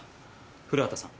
古畑さん。